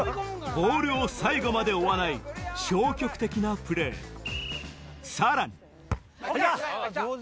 ボールを最後まで追わない消極的なプレーさらにはい！